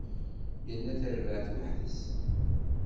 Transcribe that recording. Yerna tarbaεt weḥd-s.